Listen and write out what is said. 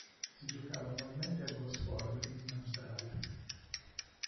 Si giocava annualmente a Gosford in Australia.